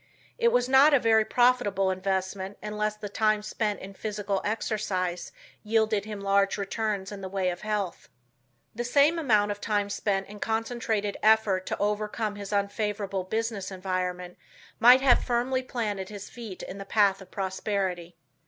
It was not a very profitable investment unless the time spent in physical exercise yielded him large returns in the way of health. The same amount of time spent in concentrated effort to overcome his unfavorable business environment might have firmly planted his feet in the path of prosperity.